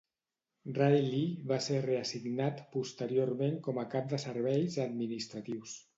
Reiley va ser reassignat posteriorment com a cap de serveis administratius.